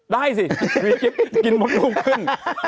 ได้สิวีกิฟต์กินหมดรูปขึ้น